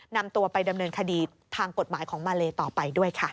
นำตัวไปดำเนินคดีทางกฎหมายของมาเลต่อไปด้วยค่ะ